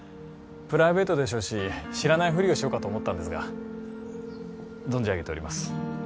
プライベートでしょうし知らないフリをしようかと思ったんですが存じ上げております